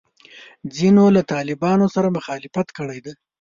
ځینو له طالبانو سره مخالفت کړی دی.